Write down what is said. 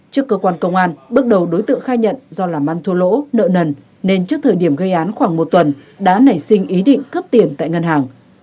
trước cơ quan công an bước đầu đối tượng khai nhận do làm ăn thua lỗ nợ nần nên trước thời điểm gây án khoảng một tuần đã nảy sinh ý định cướp tiền tại ngân hàng